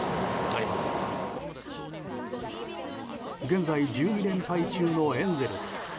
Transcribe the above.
現在１２連敗中のエンゼルス。